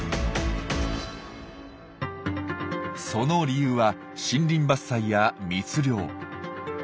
その理由は森林伐採や密猟。